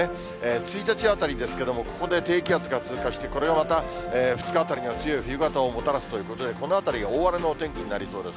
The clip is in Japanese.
１日あたりですけれども、ここで低気圧が通過して、これがまた２日あたりには強い冬型をもたらすということで、このあたりが大荒れのお天気になりそうです。